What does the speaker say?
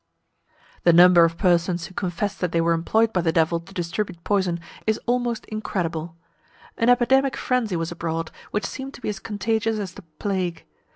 The number of persons who confessed that they were employed by the Devil to distribute poison is almost incredible. An epidemic frenzy was abroad, which seemed to be as contagious as the plague.